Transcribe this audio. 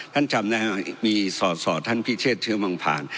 ท่านจำนะฮะมีสอดท่านพิเศษเชื้อมังผ่าน